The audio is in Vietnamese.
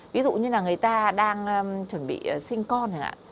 ví dụ như là người ta đang chuẩn bị sinh con